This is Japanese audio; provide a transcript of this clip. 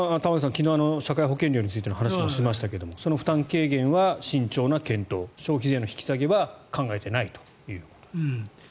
昨日社会保険料についての話もしましたがその負担量は慎重な検討消費税の引き上げは考えていないと。